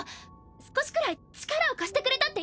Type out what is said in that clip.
少しくらい力を貸してくれたっていいじゃない！